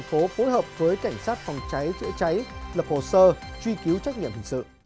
phối hợp với cảnh sát phòng cháy chứa cháy lập hồ sơ truy cứu trách nhiệm hình sự